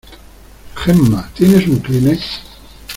Gemma, ¿tienes un kleenex?